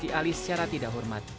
oleh pak marzuki ali secara tidak hormat